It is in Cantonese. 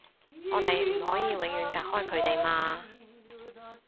我哋唔可以永遠隔開佢哋嘛